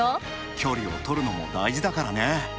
距離をとるのも大事だからね。